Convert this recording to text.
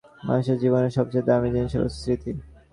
মানুষের জীবনের সবচেয়ে দামি জিনিস হলো স্মৃতি।